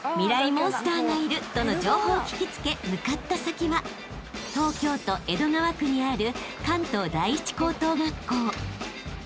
モンスターがいるとの情報を聞き付け向かった先は東京都江戸川区にある］